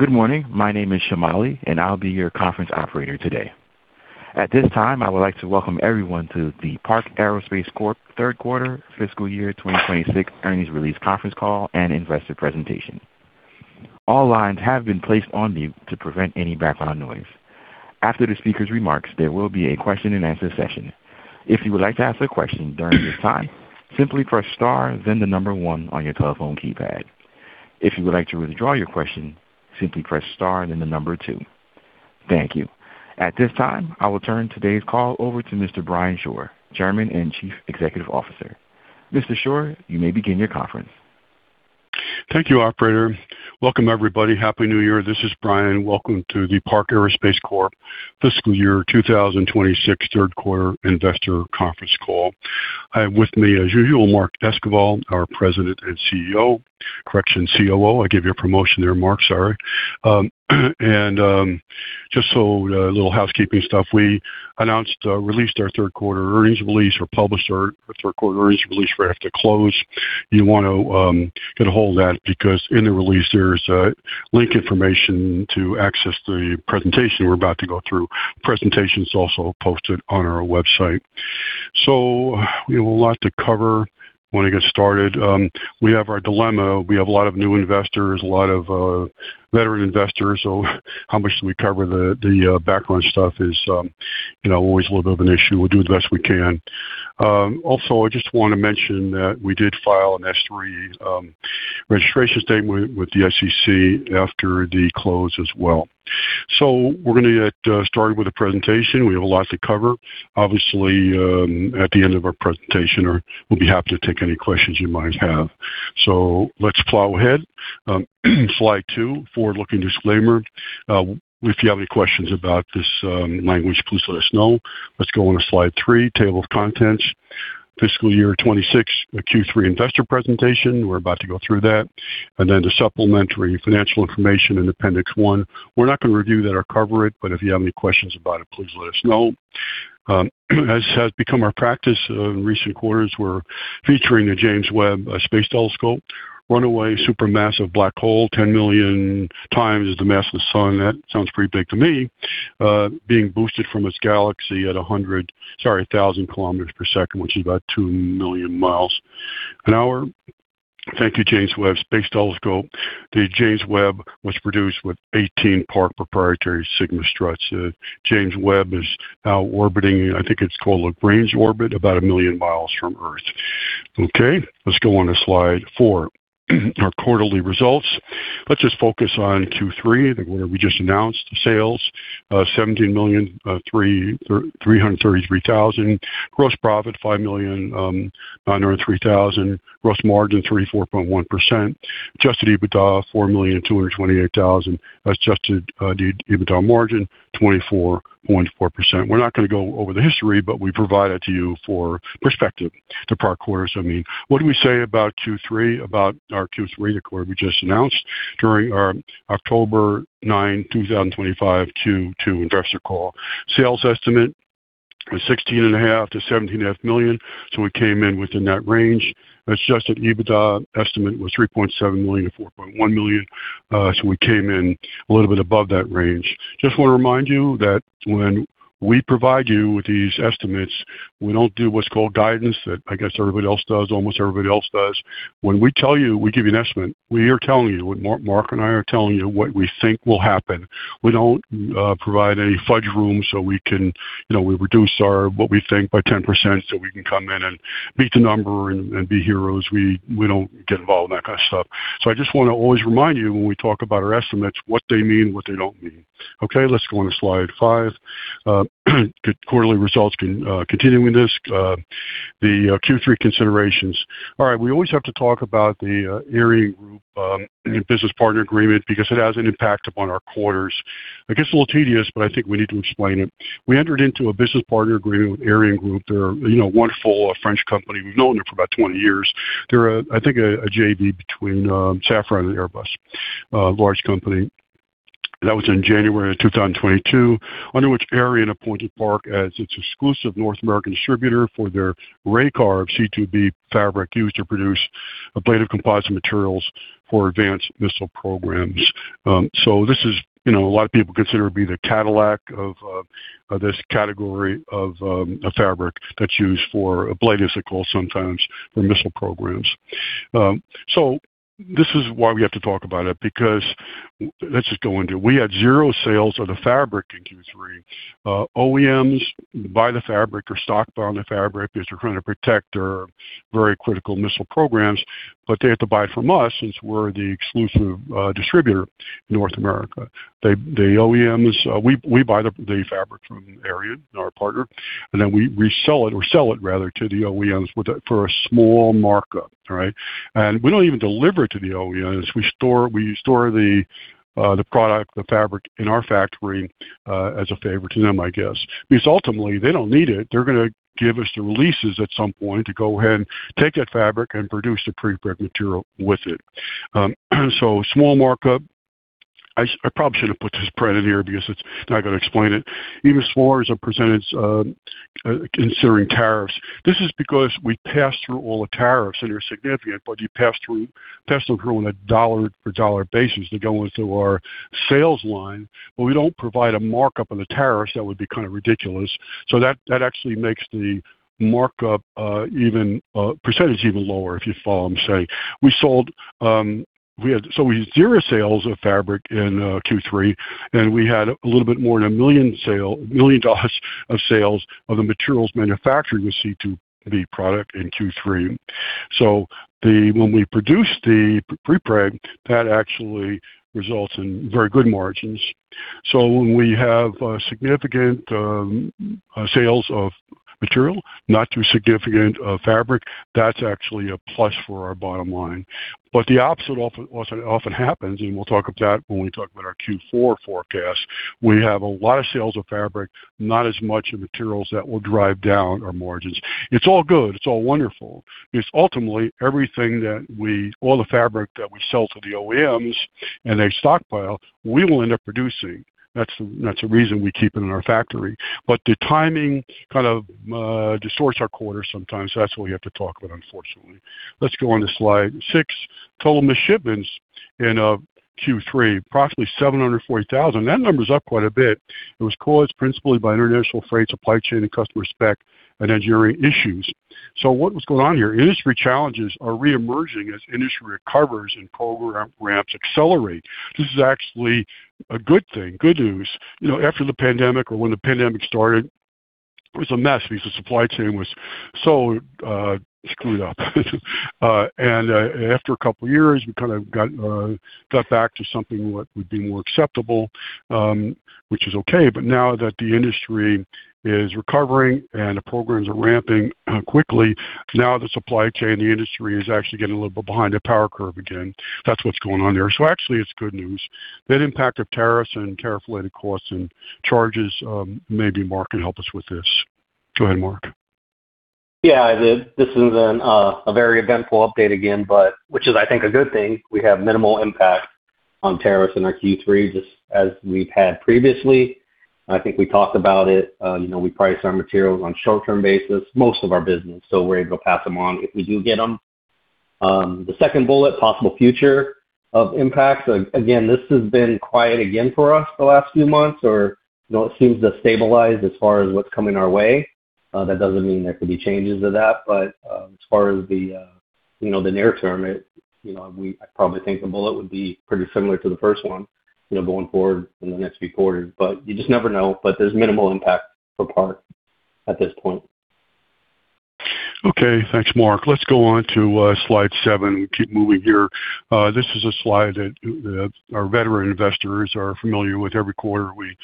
Good morning. My name is Shamali, and I'll be your conference operator today. At this time, I would like to welcome everyone to the Park Aerospace Corp.'s Third Quarter, Fiscal Year 2026 Earnings Release Conference Call and Investor Presentation. All lines have been placed on mute to prevent any background noise. After the speaker's remarks, there will be a question-and-answer session. If you would like to ask a question during this time, simply press star, then the number one on your telephone keypad. If you would like to withdraw your question, simply press star, then the number two. Thank you. At this time, I will turn today's call over to Mr. Brian Shore, Chairman and Chief Executive Officer. Mr. Shore, you may begin your conference. Thank you, Operator. Welcome, everybody. Happy New Year. This is Brian. Welcome to the Park Aerospace Corp Fiscal Year 2026 Third Quarter Investor Conference Call. I have with me, as usual, Mark Esquivel, our President and CEO, correction, COO. I gave you a promotion there, Mark. Sorry, and just so a little housekeeping stuff, we announced or released our Third Quarter Earnings Release or published our Third Quarter Earnings Release right after close. You want to get a hold of that because in the release, there's link information to access the presentation we're about to go through. Presentation's also posted on our website, so we have a lot to cover when we get started. We have our dilemma. We have a lot of new investors, a lot of veteran investors, so how much do we cover? The background stuff is always a little bit of an issue. We'll do the best we can. Also, I just want to mention that we did file an S-3 registration statement with the SEC after the close as well. So we're going to get started with the presentation. We have a lot to cover. Obviously, at the end of our presentation, we'll be happy to take any questions you might have. So let's plow ahead. Slide 2, forward-looking disclaimer. If you have any questions about this language, please let us know. Let's go on to slide 3, table of contents. Fiscal Year 2026 Q3 Investor Presentation. We're about to go through that. And then the supplementary financial information in Appendix One. We're not going to review that or cover it, but if you have any questions about it, please let us know. As has become our practice in recent quarters, we're featuring the James Webb Space Telescope. Runaway supermassive black hole, 10 million times the mass of the sun. That sounds pretty big to me, being boosted from its galaxy at 100, sorry, 1,000 km/s, which is about 2 million mph. Thank you, James Webb Space Telescope. The James Webb was produced with 18 Park proprietary Sigma Struts. James Webb is now orbiting, I think it's called Lagrange point, about a million miles from Earth. Okay. Let's go on to slide 4, our quarterly results. Let's just focus on Q3. I think we just announced sales, $17,333,000. Gross profit, $5,903,000. Gross margin, 34.1%. Adjusted EBITDA, $4,228,000. Adjusted EBITDA margin, 24.4%. We're not going to go over the history, but we provide it to you for perspective to Park quarters. I mean, what do we say about Q3? About our Q3, the quarter we just announced during our October 9th, 2025 Q2 Investor Call. Sales estimate was $16.5 million-$17.5 million. So we came in within that range. Adjusted EBITDA estimate was $3.7 million-$4.1 million. So we came in a little bit above that range. Just want to remind you that when we provide you with these estimates, we don't do what's called guidance that I guess everybody else does, almost everybody else does. When we tell you, we give you an estimate. We are telling you what Mark and I are telling you, what we think will happen. We don't provide any fudge room so we can reduce our what we think by 10% so we can come in and beat the number and be heroes. We don't get involved in that kind of stuff. So I just want to always remind you when we talk about our estimates, what they mean, what they don't mean. Okay. Let's go on to slide 5. Quarterly results continuing this. The Q3 considerations. All right. We always have to talk about the ArianeGroup Business Partner Agreement because it has an impact upon our quarters. It gets a little tedious, but I think we need to explain it. We entered into a business partner agreement with ArianeGroup. They're a wonderful French company. We've known them for about 20 years. They're, I think, a JV between Safran and Airbus, a large company. That was in January of 2022, under which Ariane appointed Park as its exclusive North American distributor for their Raycarb C2B fabric used to produce ablative composite materials for advanced missile programs. So this is a lot of people consider it to be the Cadillac of this category of fabric that's used for ablatives, I call sometimes, for missile programs. So this is why we have to talk about it because let's just go into it. We had zero sales of the fabric in Q3. OEMs buy the fabric or stockpile the fabric because they're trying to protect their very critical missile programs, but they have to buy it from us since we're the exclusive distributor in North America. The OEMs, we buy the fabric from Ariane, our partner, and then we resell it or sell it, rather, to the OEMs for a small markup, all right? And we don't even deliver it to the OEMs. We store the product, the fabric in our factory as a favor to them, I guess, because ultimately, they don't need it. They're going to give us the releases at some point to go ahead and take that fabric and produce the prepreg material with it. Small markup. I probably shouldn't have put this print in here because it's not going to explain it. Even smaller as I presented considering tariffs. This is because we pass through all the tariffs, and they're significant, but you pass them through on a dollar-for-dollar basis. They go into our sales line, but we don't provide a markup on the tariffs. That would be kind of ridiculous. That actually makes the markup even percentage even lower, if you follow what I'm saying. We had zero sales of fabric in Q3, and we had a little bit more than $1 million of sales of the materials manufactured with C2B product in Q3. So when we produce the prepreg, that actually results in very good margins. So when we have significant sales of material, not too significant fabric, that's actually a plus for our bottom line. But the opposite often happens, and we'll talk about that when we talk about our Q4 forecast. We have a lot of sales of fabric, not as much of materials that will drive down our margins. It's all good. It's all wonderful. It's ultimately everything that we—all the fabric that we sell to the OEMs and they stockpile, we will end up producing. That's the reason we keep it in our factory. But the timing kind of distorts our quarter sometimes. That's what we have to talk about, unfortunately. Let's go on to slide 6. Total missed shipments in Q3, approximately 740,000. That number's up quite a bit. It was caused principally by international freight supply chain and customer spec and engineering issues. So what was going on here? Industry challenges are reemerging as industry recovers and programs accelerate. This is actually a good thing, good news. After the pandemic or when the pandemic started, it was a mess because the supply chain was so screwed up, and after a couple of years, we kind of got back to something what would be more acceptable, which is okay. But now that the industry is recovering and the programs are ramping quickly, now the supply chain and the industry is actually getting a little bit behind the power curve again. That's what's going on there. So actually, it's good news. That impact of tariffs and tariff-related costs and charges, maybe Mark can help us with this. Go ahead, Mark. Yeah. This is a very eventful update again, which is, I think, a good thing. We have minimal impact on tariffs in our Q3, just as we've had previously. I think we talked about it. We price our materials on a short-term basis, most of our business, so we're able to pass them on if we do get them. The second bullet, possible future impacts. Again, this has been quiet again for us the last few months, or it seems to stabilize as far as what's coming our way. That doesn't mean there could be changes to that. But as far as the near term, I probably think the bullet would be pretty similar to the first one going forward in the next few quarters. But you just never know, but there's minimal impact for Park at this point. Okay. Thanks, Mark. Let's go on to slide 7. We keep moving here. This is a slide that our veteran investors are familiar with. Every quarter, we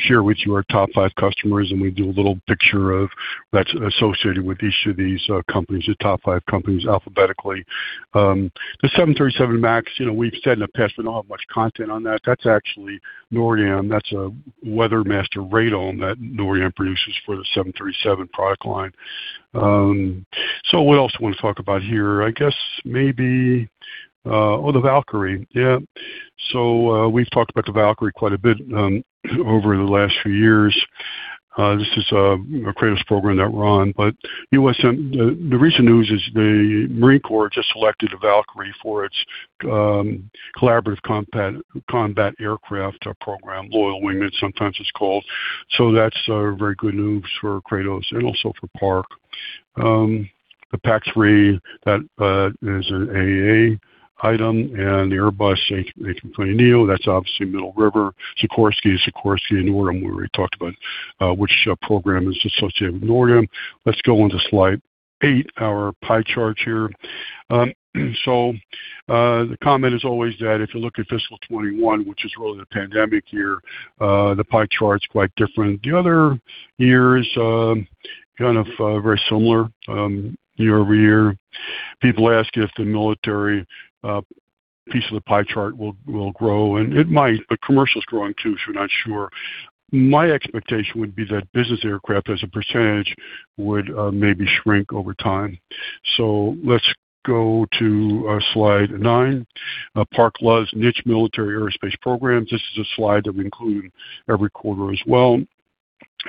share with you our top five customers, and we do a little picture that's associated with each of these companies, the top five companies alphabetically. The 737 MAX, we've said in the past we don't have much content on that. That's actually NORDAM. That's a WeatherMaster radome that NORDAM produces for the 737 product line. So what else do we want to talk about here? I guess maybe oh, the Valkyrie. Yeah. So we've talked about the Valkyrie quite a bit over the last few years. This is a Kratos program that we're on. But the recent news is the Marine Corps just selected the Valkyrie for its collaborative combat aircraft program, Loyal Wingman, sometimes it's called. That's very good news for Kratos and also for Park. The PAC-3, that is an AAA item. And the Airbus A320neo. That's obviously Middle River. Sikorsky and NORDAM, we already talked about which program is associated with NORDAM. Let's go on to slide 8, our pie chart here. The comment is always that if you look at fiscal 2021, which is really the pandemic year, the pie chart's quite different. The other year is kind of very similar year-over-year. People ask if the military piece of the pie chart will grow. And it might, but commercial's growing too, so we're not sure. My expectation would be that business aircraft as a percentage would maybe shrink over time. Let's go to slide 9, Park Loves, Niche Military Aerospace Programs. This is a slide that we include every quarter as well.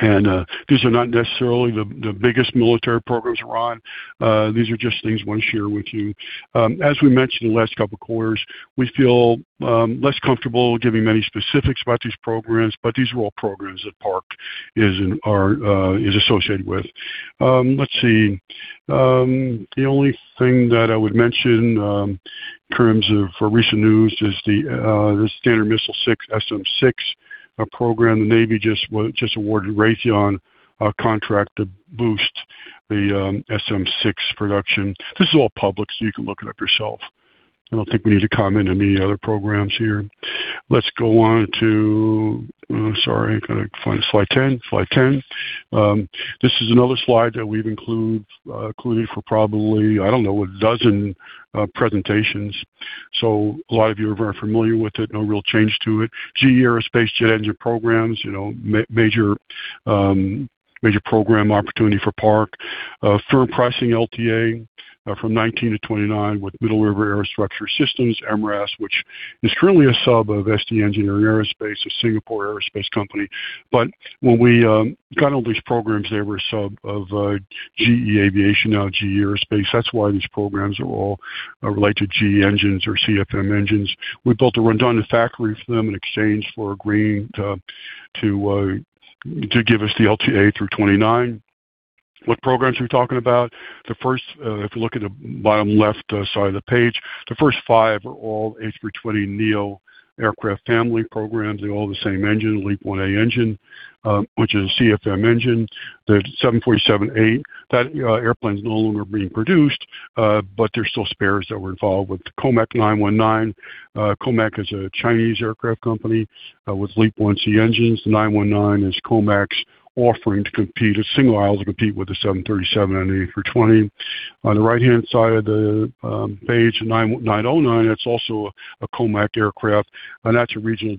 These are not necessarily the biggest military programs we're on. These are just things we want to share with you. As we mentioned in the last couple of quarters, we feel less comfortable giving many specifics about these programs, but these are all programs that Park is associated with. Let's see. The only thing that I would mention in terms of recent news is the Standard Missile SM-6 program. The Navy just awarded Raytheon a contract to boost the SM-6 production. This is all public, so you can look it up yourself. I don't think we need to comment on any other programs here. Let's go on to. Sorry, I'm going to find slide 10. Slide 10. This is another slide that we've included for probably, I don't know, a dozen presentations. So a lot of you are very familiar with it. No real change to it. GE Aerospace Jet Engine Programs, major program opportunity for Park. Firm Pricing LTA from 2019-2029 with Middle River Aerostructure Systems, MRAS, which is currently a sub of ST Engineering Aerospace, a Singapore aerospace company. But when we got on these programs, they were a sub of GE Aviation, now GE Aerospace. That's why these programs relate to GE engines or CFM engines. We built a redundant factory for them in exchange for agreeing to give us the LTA through 2029. What programs are we talking about? If we look at the bottom left side of the page, the first five are all A320neo aircraft family programs. They all have the same engine, LEAP-1A engine, which is a CFM engine. The 747-8, that airplane's no longer being produced, but there's still spares that were involved with COMAC C919. COMAC is a Chinese aircraft company with LEAP-1C engines. The C919 is COMAC's offering to compete with the 737 and the A320. On the right-hand side of the page, the C909, that's also a COMAC aircraft. That's a regional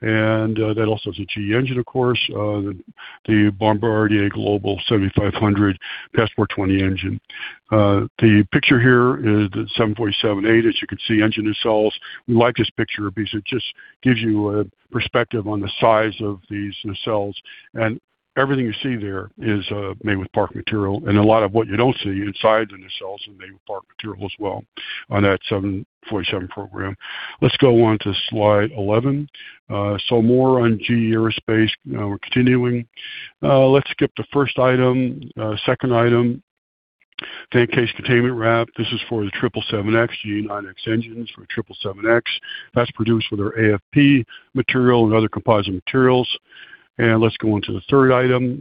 jet. That also has a GE engine, of course, the Bombardier Global 7500 Passport 20 engine. The picture here is the 747-8, as you can see, engine nacelles. We like this picture because it just gives you a perspective on the size of these nacelles. Everything you see there is made with Park material. A lot of what you do not see inside the nacelles is made with Park material as well on that 747 program. Let's go on to slide 11. More on GE Aerospace. We're continuing. Let's skip the first item. Second item, tank case containment wrap. This is for the 777X, GE9X engines for the 777X. That's produced with our AFP material and other composite materials. Let's go on to the third item,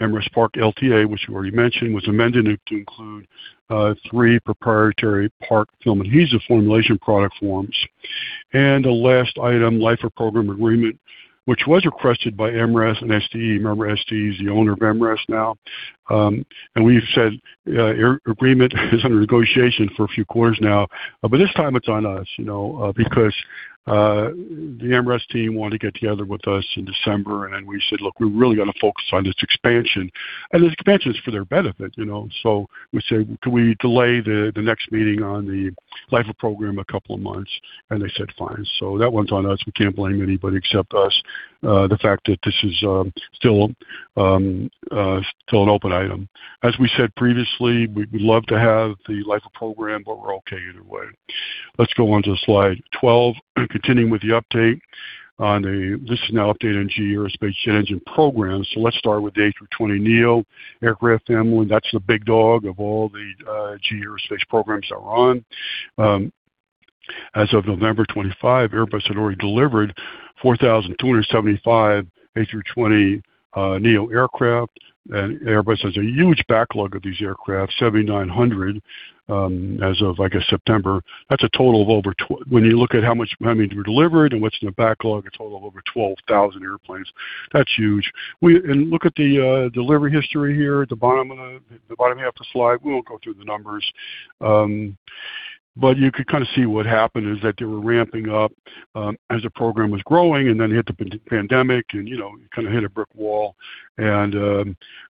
MRAS Park LTA, which we already mentioned, was amended to include three proprietary Park film adhesive formulation product forms. The last item, LifePort program agreement, which was requested by MRAS and STE. Remember, STE is the owner of MRAS now. We've said agreement is under negotiation for a few quarters now. This time it's on us because the MRAS team wanted to get together with us in December. Then we said, "Look, we're really going to focus on this expansion." This expansion is for their benefit. We said, "Can we delay the next meeting on the LifePort program a couple of months?" They said, "Fine." That one's on us. We can't blame anybody except us for the fact that this is still an open item. As we said previously, we'd love to have the LifePort program, but we're okay either way. Let's go on to slide 12. Continuing with the update on the, this is an update on GE Aerospace Jet Engine program. So let's start with the A320neo aircraft family. That's the big dog of all the GE Aerospace programs that we're on. As of November 25th, Airbus had already delivered 4,275 A320neo aircraft. And Airbus has a huge backlog of these aircraft, 7,900 as of, I guess, September. That's a total of over, when you look at how many were delivered and what's in the backlog, a total of over 12,000 airplanes. That's huge. And look at the delivery history here, the bottom half of the slide. We won't go through the numbers. You could kind of see what happened is that they were ramping up as the program was growing, and then hit the pandemic, and you kind of hit a brick wall, and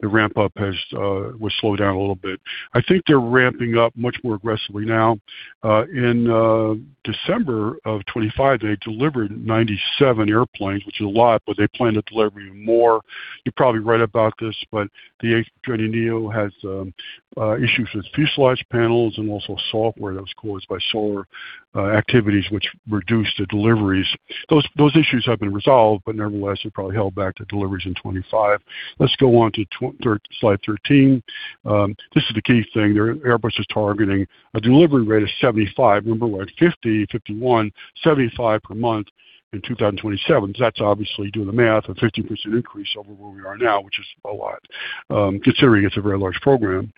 the ramp-up was slowed down a little bit. I think they're ramping up much more aggressively now. In December of 2025, they delivered 97 airplanes, which is a lot, but they plan to deliver even more. You're probably right about this, but the A320neo has issues with fuselage panels and also software that was caused by solar activities, which reduced the deliveries. Those issues have been resolved, but nevertheless, they're probably held back to deliveries in 2025. Let's go on to slide 13. This is the key thing. Airbus is targeting a delivery rate of 75. Remember, we had 50, 51, 75 per month in 2027. So that's obviously doing the math, a 50% increase over where we are now, which is a lot, considering it's a very large program.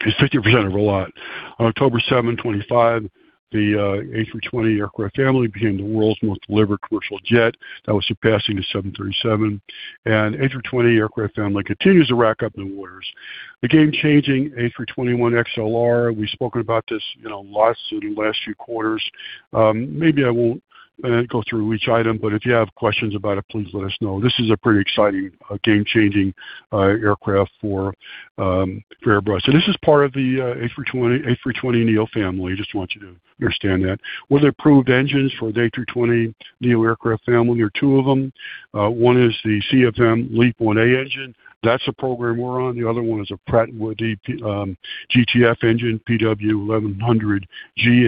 It's 50% of a lot. On October 7th, 2025, the A320 aircraft family became the world's most delivered commercial jet. That was surpassing the 737. And A320 aircraft family continues to rack up new orders. The game-changing A321XLR, we've spoken about this a lot in the last few quarters. Maybe I won't go through each item, but if you have questions about it, please let us know. This is a pretty exciting, game-changing aircraft for Airbus. And this is part of the A320neo family. I just want you to understand that. Were there approved engines for the A320neo aircraft family? There are two of them. One is the CFM LEAP-1A engine. That's the program we're on. The other one is a Pratt & Whitney GTF engine, PW1100G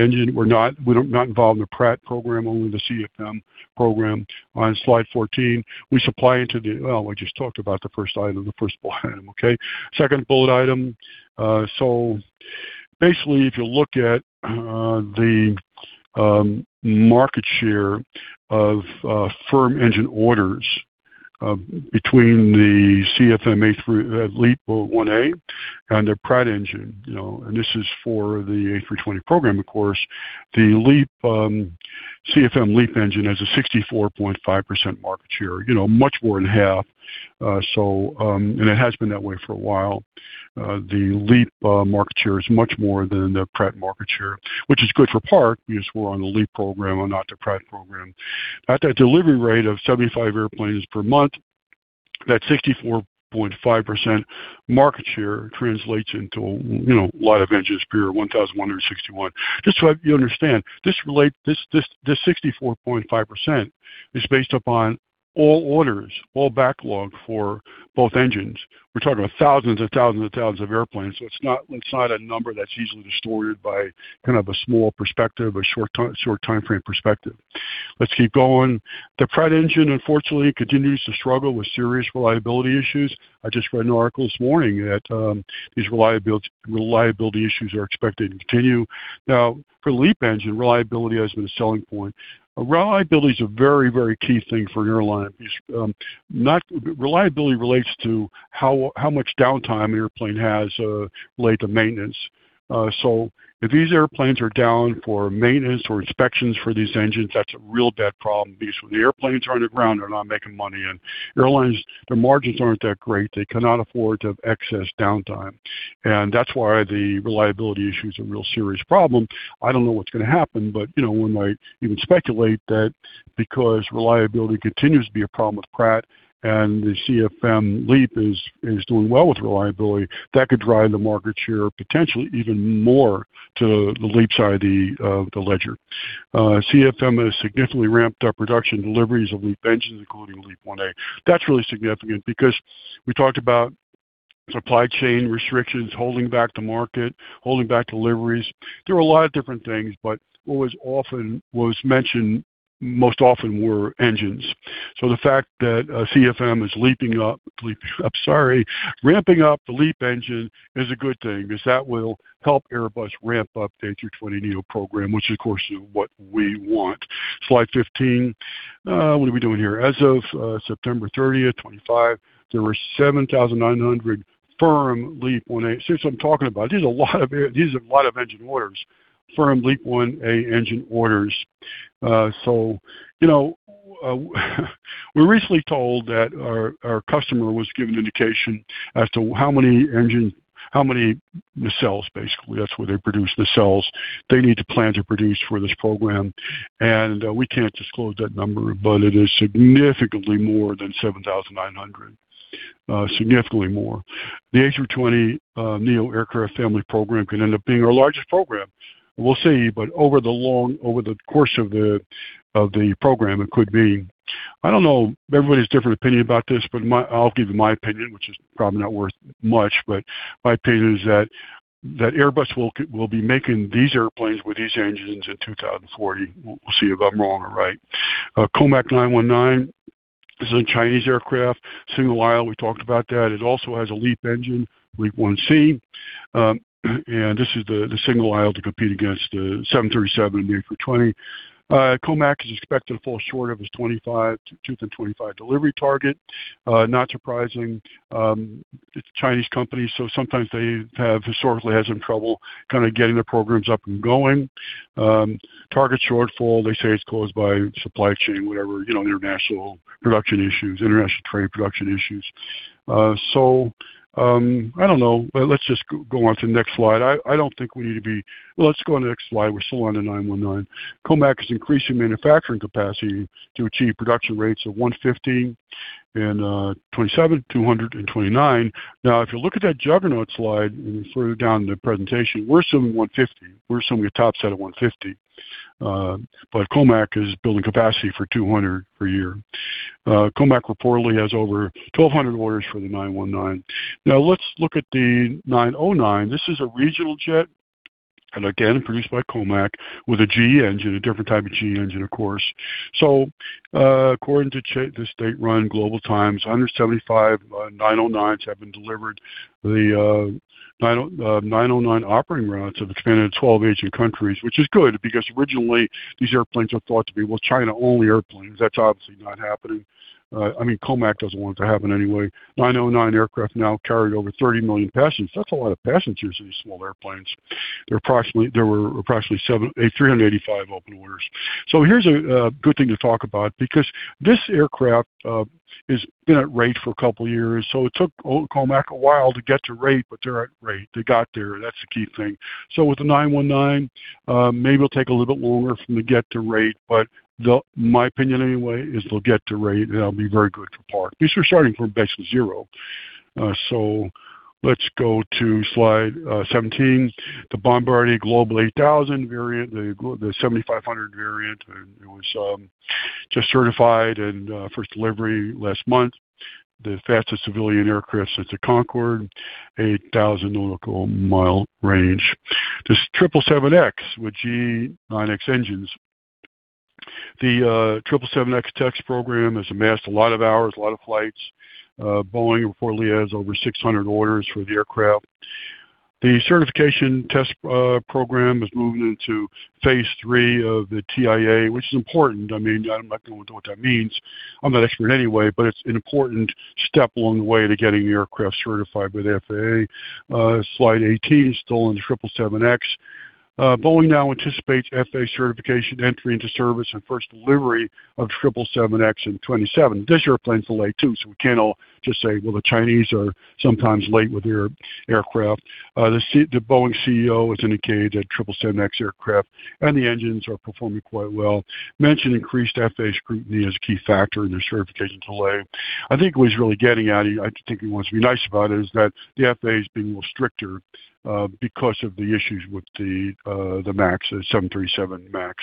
engine. We're not involved in the Pratt program, only the CFM program. On slide 14, we supply into the, well, we just talked about the first item, the first bullet item, okay? Second bullet item. So basically, if you look at the market share of firm engine orders between the CFM LEAP-1A and the Pratt engine, and this is for the A-320 program, of course, the CFM LEAP engine has a 64.5% market share, much more than half. And it has been that way for a while. The LEAP market share is much more than the Pratt market share, which is good for Park because we're on the LEAP program and not the Pratt program. At that delivery rate of 75 airplanes per month, that 64.5% market share translates into a lot of engines per year, 1,161. Just so you understand, this 64.5% is based upon all orders, all backlog for both engines. We're talking about thousands and thousands and thousands of airplanes. So it's not a number that's easily distorted by kind of a small perspective, a short timeframe perspective. Let's keep going. The Pratt engine, unfortunately, continues to struggle with serious reliability issues. I just read an article this morning that these reliability issues are expected to continue. Now, for the LEAP engine, reliability has been a selling point. Reliability is a very, very key thing for an airline. Reliability relates to how much downtime an airplane has related to maintenance. So if these airplanes are down for maintenance or inspections for these engines, that's a real bad problem. The airplanes are grounded. They're not making money. And airlines, their margins aren't that great. They cannot afford to have excess downtime. That's why the reliability issues are a real serious problem. I don't know what's going to happen, but we might even speculate that because reliability continues to be a problem with Pratt and the CFM LEAP is doing well with reliability, that could drive the market share potentially even more to the LEAP side of the ledger. CFM has significantly ramped up production deliveries of LEAP engines, including LEAP-1A. That's really significant because we talked about supply chain restrictions, holding back the market, holding back deliveries. There were a lot of different things, but what was often mentioned most often were engines. So the fact that CFM is ramping up the LEAP engine is a good thing because that will help Airbus ramp up the A320neo program, which is, of course, what we want. Slide 15. What are we doing here? As of September 30th, 2025, there were 7,900 firm LEAP-1A. See, so I'm talking about these are a lot of engine orders, firm LEAP-1A engine orders. So we were recently told that our customer was given an indication as to how many nacelles, basically. That's where they produce nacelles they need to plan to produce for this program. And we can't disclose that number, but it is significantly more than 7,900, significantly more. The A320neo aircraft family program could end up being our largest program. We'll see. But over the course of the program, it could be. I don't know. Everybody has a different opinion about this, but I'll give you my opinion, which is probably not worth much. But my opinion is that Airbus will be making these airplanes with these engines in 2040. We'll see if I'm wrong or right. C919 is a Chinese aircraft. Single aisle, we talked about that. It also has a LEAP-1C engine, LEAP-1C. And this is the single aisle to compete against the 737 and the A320. COMAC is expected to fall short of its 2025 delivery target. Not surprising. It's a Chinese company, so sometimes they have historically had some trouble kind of getting the programs up and going. Target shortfall, they say it's caused by supply chain, whatever, international production issues, international trade production issues. So I don't know. Let's just go on to the next slide. I don't think we need to be. Well, let's go on to the next slide. We're still on the C919. COMAC is increasing manufacturing capacity to achieve production rates of 150 in 2027, 200, and 2029. Now, if you look at that juggernaut slide further down in the presentation, we're assuming 150. We're assuming a top set of 150. But COMAC is building capacity for 200 per year. COMAC reportedly has over 1,200 orders for the C919. Now, let's look at the C909. This is a regional jet, again, produced by COMAC with a GE engine, a different type of GE engine, of course. So according to the state-run Global Times, 175 C909s have been delivered. The C909 operating routes have expanded to 12 Asian countries, which is good because originally, these airplanes were thought to be China-only airplanes. That's obviously not happening. I mean, COMAC doesn't want it to happen anyway. C909 aircraft now carry over 30 million passengers. That's a lot of passengers in these small airplanes. There were approximately 385 open orders. So here's a good thing to talk about because this aircraft has been at rate for a couple of years. So it took COMAC a while to get to rate, but they're at rate. They got there. That's the key thing. So with the C919, maybe it'll take a little bit longer for them to get to rate. But my opinion, anyway, is they'll get to rate and it'll be very good for Park. These are starting from basically zero. So let's go to slide 17. The Bombardier Global 8000 variant, the Global 7500 variant. It was just certified and first delivery last month. The fastest civilian aircraft since the Concorde, 8,000 nautical mile range. This 777X with GE9X engines. The 777X test program has amassed a lot of hours, a lot of flights. Boeing reportedly has over 600 orders for the aircraft. The certification test program is moving into phase III of the TIA, which is important. I mean, I'm not going to go into what that means. I'm not an expert anyway, but it's an important step along the way to getting the aircraft certified with FAA. Slide 18 is still on the 777X. Boeing now anticipates FAA certification entry into service and first delivery of 777X in 2027. This airplane's delayed too, so we can't all just say, "Well, the Chinese are sometimes late with their aircraft." The Boeing CEO has indicated that 777X aircraft and the engines are performing quite well. Mentioned increased FAA scrutiny as a key factor in their certification delay. I think what he's really getting at, I think he wants to be nice about it, is that the FAA is being a little stricter because of the issues with the MAX, the 737 MAX.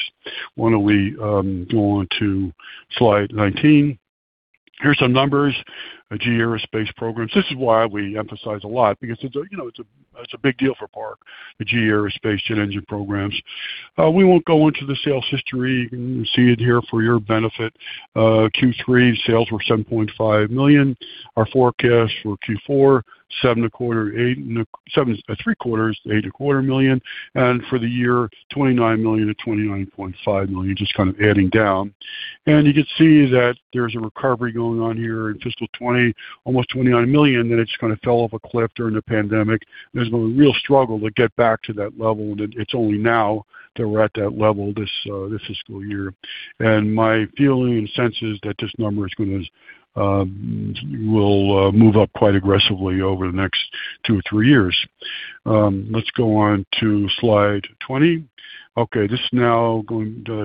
Why don't we go on to slide 19? Here's some numbers. GE Aerospace programs. This is why we emphasize a lot because it's a big deal for Park, the GE Aerospace jet engine programs. We won't go into the sales history. You can see it here for your benefit. Q3 sales were $7.5 million. Our forecast for Q4, $7.7 million-$8.7 million, three quarters, $8.25 million, and for the year, $29 million-$29.5 million, just kind of adding down. You can see that there's a recovery going on here in fiscal 2020, almost $29 million, and then it just kind of fell off a cliff during the pandemic. There's been a real struggle to get back to that level, and it's only now that we're at that level this fiscal year. My feeling and sense is that this number is going to move up quite aggressively over the next 2-3 years. Let's go on to slide 20. Okay. This is now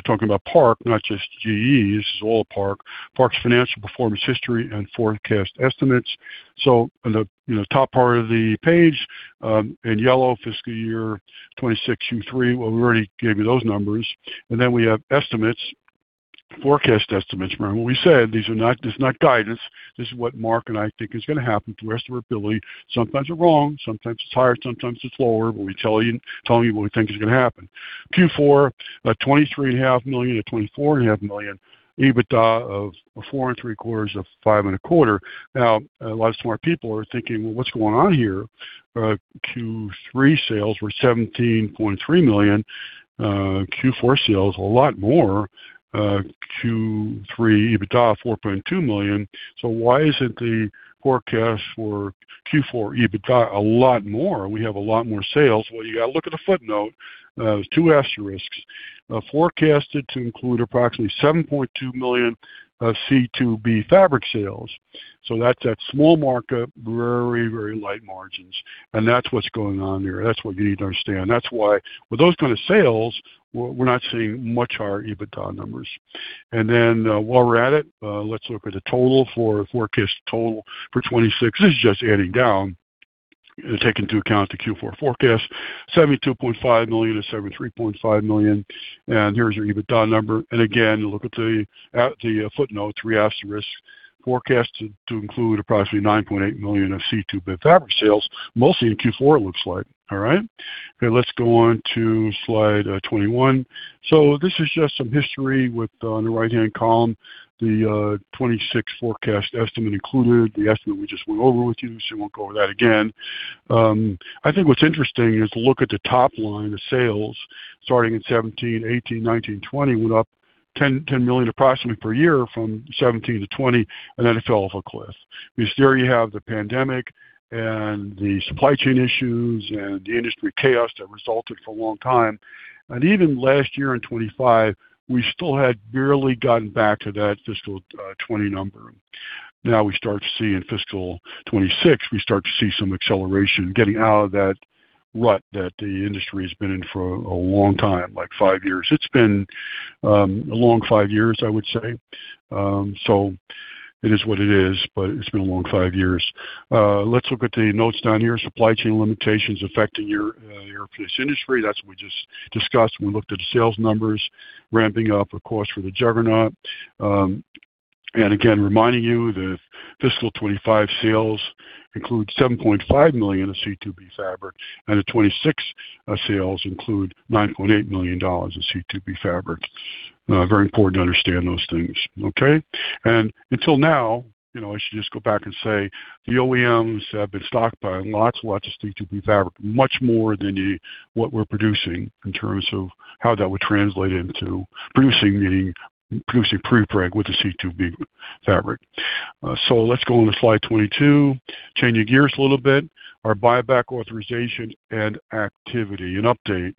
talking about Park, not just GE. This is all Park. Park's financial performance history and forecast estimates. So in the top part of the page in yellow, fiscal year 2026, 2023, well, we already gave you those numbers. And then we have estimates, forecast estimates. Remember what we said? This is not guidance. This is what Mark and I think is going to happen to the best of our ability. Sometimes it's wrong. Sometimes it's higher. Sometimes it's lower, but we're telling you what we think is going to happen. Q4, $23.5 million-$24.5 million. EBITDA of $4.75 million to $5.25 million. Now, a lot of smart people are thinking, "Well, what's going on here?" Q3 sales were $17.3 million. Q4 sales a lot more. Q3 EBITDA $4.2 million. So why isn't the forecast for Q4 EBITDA a lot more? We have a lot more sales. You got to look at the footnote. There's two asterisks. Forecasted to include approximately $7.2 million C2B fabric sales. So that's at small market, very, very light margins. And that's what's going on here. That's what you need to understand. That's why, with those kinds of sales, we're not seeing much higher EBITDA numbers. And then while we're at it, let's look at the total forecast for 2026. This is just adding down, taking into account the Q4 forecast. $72.5 million-$73.5 million. And here's your EBITDA number. And again, look at the footnote, three asterisks. Forecasted to include approximately $9.8 million of C2B fabric sales, mostly in Q4, it looks like. All right? Okay. Let's go on to slide 21. So this is just some history on the right-hand column. The 2026 forecast estimate included. The estimate we just went over with you, so we won't go over that again. I think what's interesting is look at the top line of sales. Starting in 2017, 2018, 2019, 2020, went up $10 million approximately per year from 2017-2020, and then it fell off a cliff. Because there you have the pandemic and the supply chain issues and the industry chaos that resulted for a long time. And even last year in 2025, we still had barely gotten back to that fiscal 2020 number. Now we start to see in fiscal 2026, we start to see some acceleration getting out of that rut that the industry has been in for a long time, like five years. It's been a long five years, I would say. So it is what it is, but it's been a long five years. Let's look at the notes down here. Supply chain limitations affecting your airplane industry. That's what we just discussed when we looked at the sales numbers, ramping up the cost for the juggernaut, and again, reminding you, the fiscal 2025 sales include $7.5 million of C2B fabric, and the 2026 sales include $9.8 million of C2B fabric. Very important to understand those things. Okay? Until now, I should just go back and say the OEMs have been stockpiling lots and lots of C2B fabric, much more than what we're producing in terms of how that would translate into producing, meaning producing prepreg with the C2B fabric, so let's go on to slide 22. Change of gears a little bit. Our buyback authorization and activity, an update.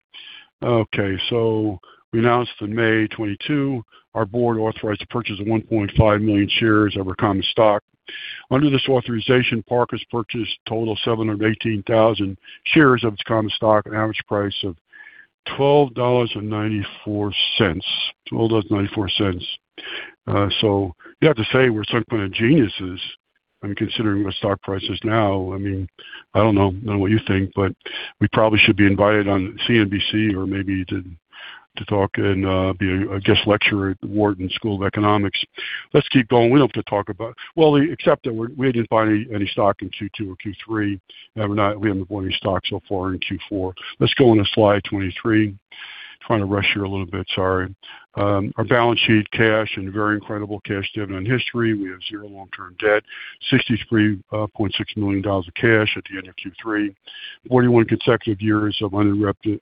Okay, so we announced in May 2022, our board authorized the purchase of 1.5 million shares of our common stock. Under this authorization, Park has purchased a total of 718,000 shares of its common stock at an average price of $12.94. $12.94. So you have to say we're some kind of geniuses, considering what stock price is now. I mean, I don't know what you think, but we probably should be invited on CNBC or maybe to talk and be a guest lecturer at Wharton School of Economics. Let's keep going. We don't have to talk about, well, except that we didn't buy any stock in Q2 or Q3. We haven't bought any stock so far in Q4. Let's go on to slide 23. Trying to rush here a little bit. Sorry. Our balance sheet, cash, and very incredible cash dividend history. We have zero long-term debt, $63.6 million of cash at the end of Q3, 41 consecutive years of uninterrupted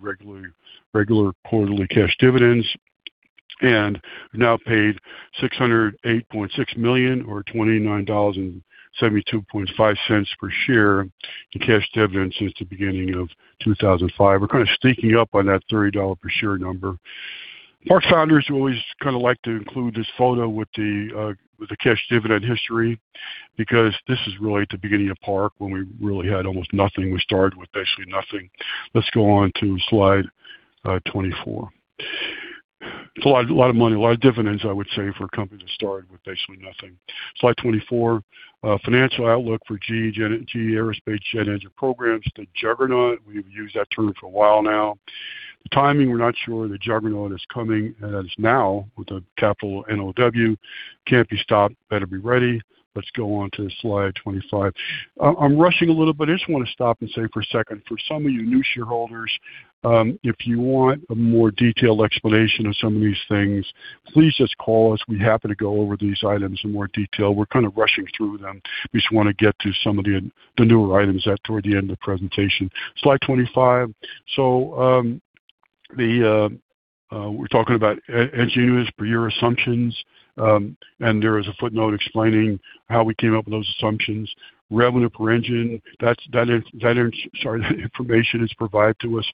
regular quarterly cash dividends, and now paid $608.6 million or $29.72 per share in cash dividends since the beginning of 2005. We're kind of sneaking up on that $30 per share number. Park founders always kind of like to include this photo with the cash dividend history because this is really at the beginning of Park when we really had almost nothing. We started with basically nothing. Let's go on to slide 24. It's a lot of money, a lot of dividends, I would say, for a company that started with basically nothing. Slide 24. Financial outlook for GE Aerospace Jet Engine Programs, the juggernaut. We've used that term for a while now. Timing, we're not sure. The juggernaut is coming at us now with a capital NOW. Can't be stopped. Better be ready. Let's go on to slide 25. I'm rushing a little bit. I just want to stop and say for a second, for some of you new shareholders, if you want a more detailed explanation of some of these things, please just call us. We're happy to go over these items in more detail. We're kind of rushing through them. We just want to get to some of the newer items toward the end of the presentation. Slide 25. So we're talking about engines per year assumptions, and there is a footnote explaining how we came up with those assumptions. Revenue per engine. Sorry, that information is provided to us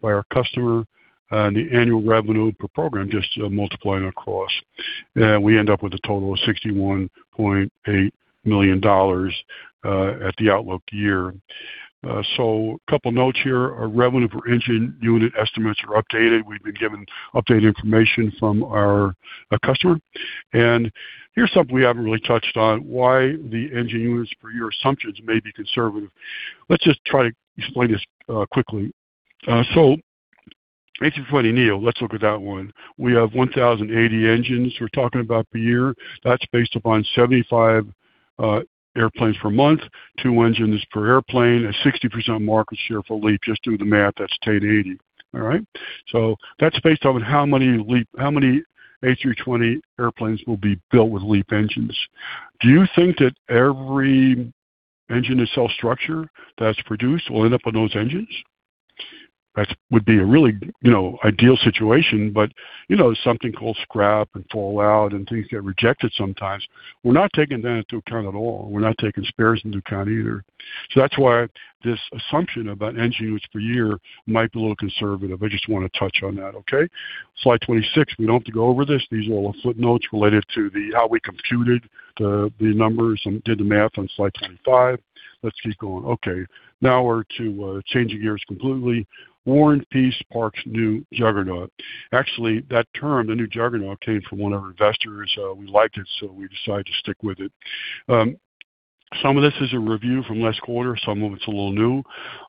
by our customer, and the annual revenue per program, just multiplying across. And we end up with a total of $61.8 million at the outlook year. So a couple of notes here. Our revenue per engine unit estimates are updated. We've been given updated information from our customer, and here's something we haven't really touched on: why the engine units per year assumptions may be conservative. Let's just try to explain this quickly, so A320neo, let's look at that one. We have 1,080 engines we're talking about per year. That's based upon 75 airplanes per month, two engines per airplane, a 60% market share for LEAP. Just do the math. That's 1,080. All right? So that's based on how many LEAP, how many A320 airplanes will be built with LEAP engines. Do you think that every engine and cell structure that's produced will end up on those engines? That would be a really ideal situation, but there's something called scrap and fallout and things get rejected sometimes. We're not taking that into account at all. We're not taking spares into account either. So that's why this assumption about engine units per year might be a little conservative. I just want to touch on that. Okay? Slide 26. We don't have to go over this. These are all footnotes related to how we computed the numbers and did the math on slide 25. Let's keep going. Okay. Now we're going to change gears completely. War and peace, Park's new juggernaut. Actually, that term, the new juggernaut, came from one of our investors. We liked it, so we decided to stick with it. Some of this is a review from last quarter. Some of it's a little new.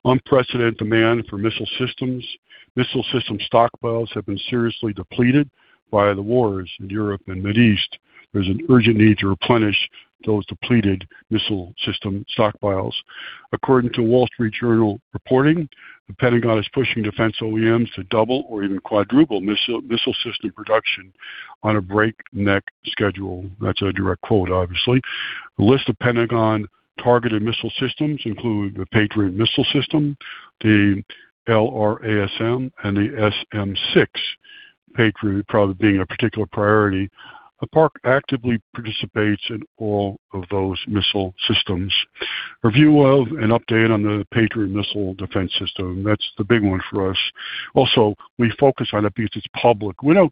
Unprecedented demand for missile systems. Missile system stockpiles have been seriously depleted by the wars in Europe and the Middle East. There's an urgent need to replenish those depleted missile system stockpiles. According to Wall Street Journal reporting, the Pentagon is pushing defense OEMs to double or even quadruple missile system production on a breakneck schedule. That's a direct quote, obviously. The list of Pentagon targeted missile systems include the Patriot missile system, the LRASM, and the SM-6, Patriot probably being a particular priority. Park actively participates in all of those missile systems. Review of and update on the Patriot missile defense system. That's the big one for us. Also, we focus on it because it's public. We're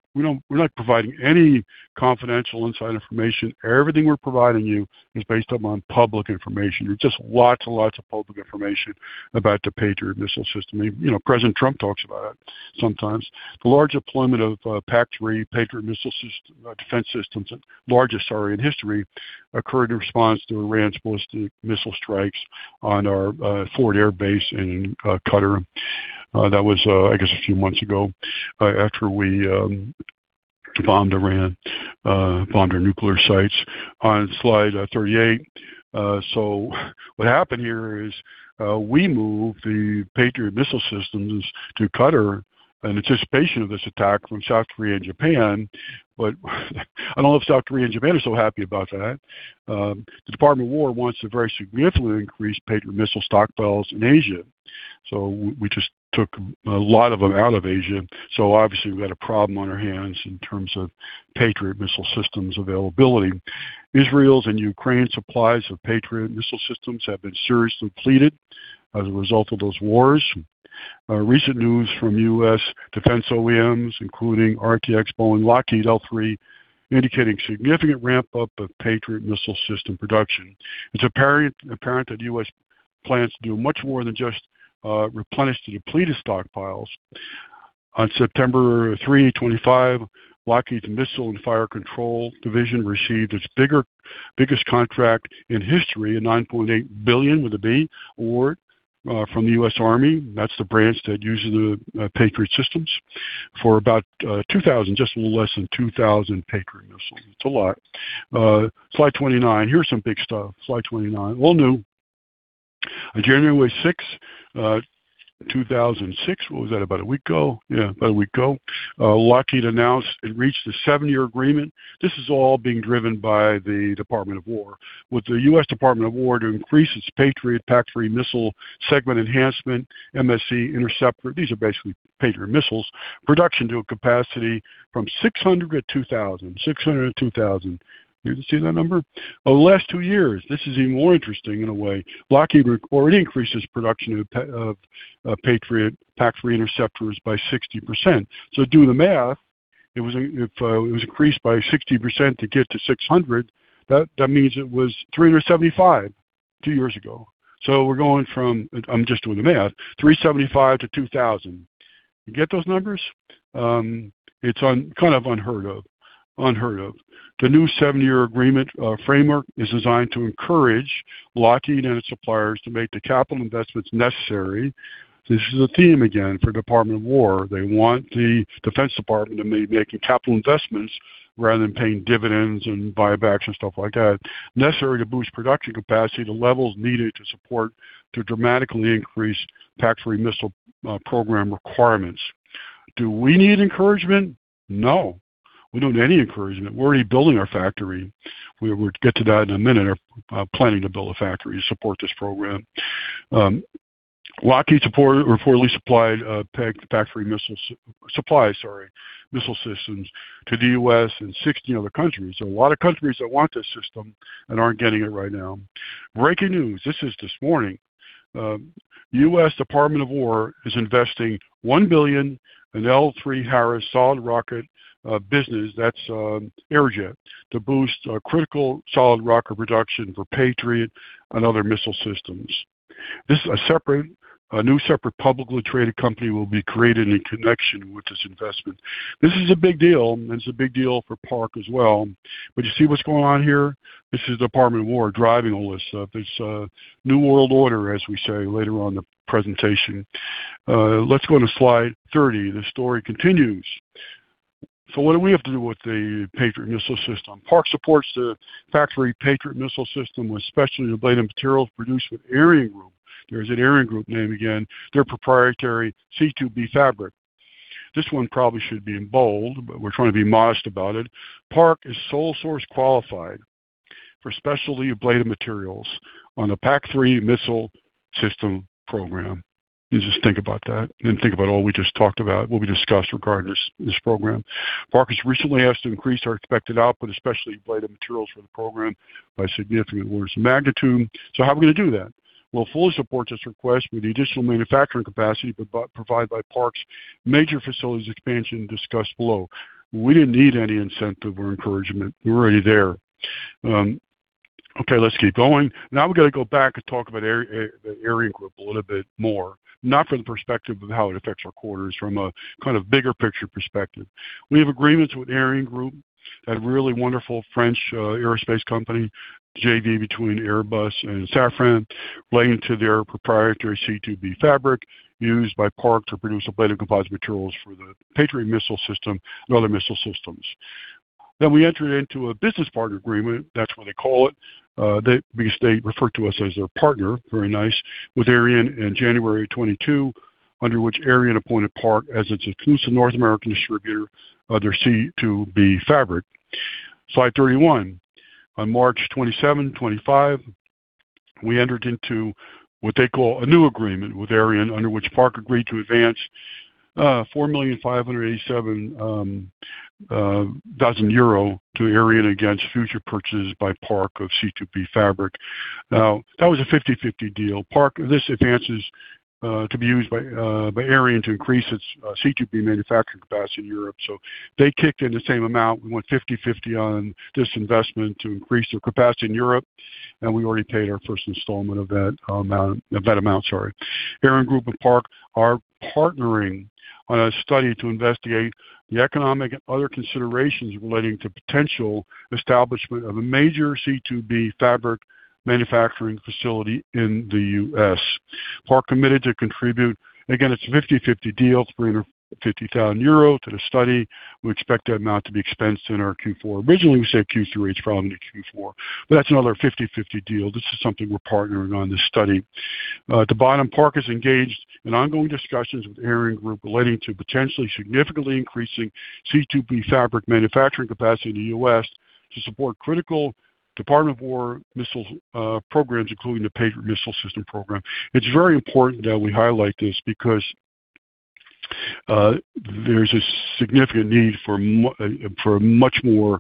not providing any confidential inside information. Everything we're providing you is based upon public information. There's just lots and lots of public information about the Patriot missile system. President Trump talks about it sometimes. The large deployment of PAC-3 Patriot missile defense systems, largest, sorry, in history, occurred in response to Iran's ballistic missile strikes on our Forward Air Base in Qatar. That was, I guess, a few months ago after we bombed Iran, bombed our nuclear sites. On slide 38. So what happened here is we moved the Patriot missile systems to Qatar in anticipation of this attack from South Korea and Japan. But I don't know if South Korea and Japan are so happy about that. The Department of War wants a very significant increase in Patriot missile stockpiles in Asia. So we just took a lot of them out of Asia. So obviously, we've got a problem on our hands in terms of Patriot missile systems availability. Israel's and Ukraine's supplies of Patriot missile systems have been seriously depleted as a result of those wars. Recent news from U.S. defense OEMs, including RTX, Boeing, Lockheed, L-3, indicating significant ramp-up of Patriot missile system production. It's apparent that U.S. plans to do much more than just replenish the depleted stockpiles. On September 3rd, 2025, Lockheed's Missile and Fire Control Division received its biggest contract in history, a $9.8 billion award from the U.S. Army. That's the branch that uses the Patriot systems for about 2,000, just a little less than 2,000 Patriot missiles. It's a lot. Slide 29. Here's some big stuff. Slide 29. All new. On January 6th, 2025, what was that? About a week ago. Yeah, about a week ago. Lockheed announced it reached a seven-year agreement. This is all being driven by the Department of War, with the U.S. Department of War to increase its Patriot PAC-3 missile segment enhancement, MSE Interceptor. These are basically Patriot missiles. Production to a capacity from 600-2,000. 600-2,000. Did you see that number? Over the last two years, this is even more interesting in a way. Lockheed already increased its production of Patriot PAC-3 Interceptors by 60%. So do the math. If it was increased by 60% to get to 600, that means it was 375 two years ago. So we're going from, I'm just doing the math, 375-2,000. You get those numbers? It's kind of unheard of. Unheard of. The new seven-year agreement framework is designed to encourage Lockheed and its suppliers to make the capital investments necessary. This is a theme again for the Department of War. They want the Defense Department to be making capital investments rather than paying dividends and buybacks and stuff like that, necessary to boost production capacity to levels needed to support the dramatically increased PAC-3 missile program requirements. Do we need encouragement? No. We don't need any encouragement. We're already building our factory. We'll get to that in a minute. We're planning to build a factory to support this program. Lockheed reportedly supplied PAC-3 missile supplies, sorry, missile systems to the U.S. and 16 other countries. There are a lot of countries that want this system and aren't getting it right now. Breaking news. This is this morning. The U.S. Department of War is investing $1 billion in L3Harris solid rocket business. That's Aerojet to boost critical solid rocket production for Patriot and other missile systems. This is a separate, new separate publicly traded company will be created in connection with this investment. This is a big deal, and it's a big deal for Park as well. But you see what's going on here? This is the Department of War driving all this stuff. It's a new world order, as we say later on in the presentation. Let's go to slide 30. The story continues. So what do we have to do with the Patriot missile system? Park supports for the Patriot missile system with specialty ablative materials produced with ArianeGroup. There's an ArianeGroup name again. Their proprietary C2B fabric. This one probably should be in bold, but we're trying to be modest about it. Park is sole source qualified for specialty ablative materials on the PAC-3 missile system program. You just think about that and think about all we just talked about, what we discussed regarding this program. Park has recently been asked to increase our expected output, especially ablative materials for the program, by a significantly larger magnitude. So how are we going to do that? We'll fully support this request with the additional manufacturing capacity provided by Park's major facilities expansion discussed below. We didn't need any incentive or encouragement. We're already there. Okay, let's keep going. Now we're going to go back and talk about the ArianeGroup a little bit more, not from the perspective of how it affects our quarters from a kind of bigger picture perspective. We have agreements with ArianeGroup, that really wonderful French aerospace company, JV between Airbus and Safran, relating to their proprietary C2B fabric used by Park to produce ablative composite materials for the Patriot missile system and other missile systems. Then we entered into a business partner agreement. That's what they call it. They refer to us as their partner. Very nice. With ArianeGroup in January 2022, under which ArianeGroup appointed Park as its exclusive North American distributor of their C2B fabric. Slide 31. On March 27th, 2025, we entered into what they call a new agreement with ArianeGroup, under which Park agreed to advance 4,587,000 euro to ArianeGroup against future purchases by Park of C2B fabric. Now, that was a 50/50 deal. This advance is to be used by ArianeGroup to increase its C2B manufacturing capacity in Europe. So they kicked in the same amount. We went 50/50 on this investment to increase their capacity in Europe, and we already paid our first installment of that amount. Sorry. ArianeGroup and Park are partnering on a study to investigate the economic and other considerations relating to potential establishment of a major C2B fabric manufacturing facility in the U.S. Park committed to contribute, again, it's a 50/50 deal, 350,000 euro to the study. We expect that amount to be expensed in our Q4. Originally, we said Q3. It's probably Q4, but that's another 50/50 deal. This is something we're partnering on this study, at the bottom, Park is engaged in ongoing discussions with ArianeGroup relating to potentially significantly increasing C2B fabric manufacturing capacity in the U.S. to support critical Department of War missile programs, including the Patriot missile system program. It's very important that we highlight this because there's a significant need for much more